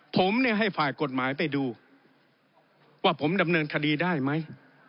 ผมเนี่ยให้ฝ่ายกฎหมายไปดูว่าผมดำเนินคดีได้ไหม